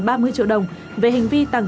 ba mươi triệu đồng về hành vi tàng